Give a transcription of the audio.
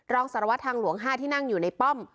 รองสารวัตรทางหลวง๕ที่นั่งอยู่ในป้อม